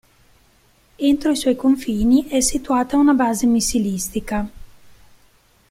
Entro i suoi confini è situata una base missilistica.